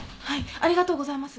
ありがとうございます。